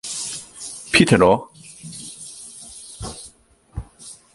Snakeheads are considered valuable food fish.